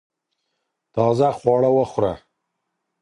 تازه خواړه وخوره